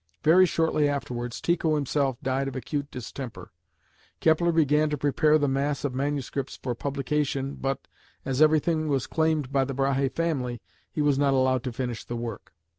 Very shortly afterwards Tycho himself died of acute distemper; Kepler began to prepare the mass of manuscripts for publication, but, as everything was claimed by the Brahe family, he was not allowed to finish the work.